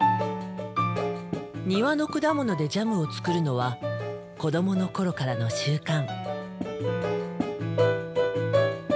庭の果物でジャムを作るのは子どもの頃からの習慣。